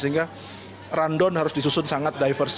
sehingga rundown harus disusun sangat diverse